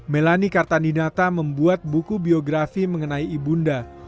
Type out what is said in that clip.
melani kartaninata membuat buku biografi mengenai ibunda